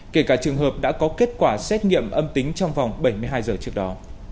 kể cả trường hợp đã có kết quả xét nghiệm âm tính trong vòng bảy mươi hai giờ trước đó